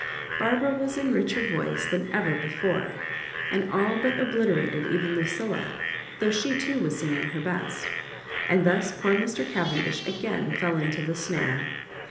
Barbara was in richer voice than ever before, and aU but obliterated even Lucilla, though she too was singing her best ; and thus poor Mr. Cavendish again fell into the snare.